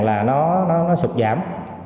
là nó sụt giảm